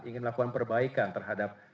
ingin melakukan perbaikan terhadap